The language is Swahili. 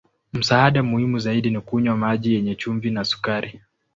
Msaada muhimu zaidi ni kunywa maji yenye chumvi na sukari.